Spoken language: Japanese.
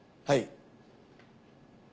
はい。